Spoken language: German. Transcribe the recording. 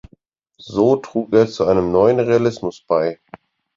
So trug er zu einem neuen Realismus bei.